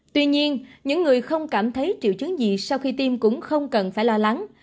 tuy nhiên những người không cảm thấy triệu chứng gì sau khi tiêm cũng không cần phải lo lắng